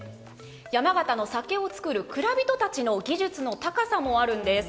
山形の酒を造る蔵人たちの技術の高さもあるんです。